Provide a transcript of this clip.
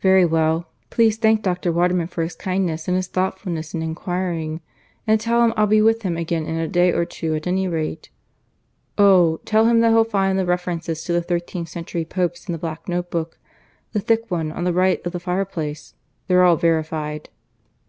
Very well. Please thank Dr. Waterman for his kindness and his thoughtfulness in enquiring. ... And tell him I'll be with him again in a day or two at any rate. ... Oh! tell him that he'll find the references to the thirteenth century Popes in the black notebook the thick one on the right of the fire place. They're all verified.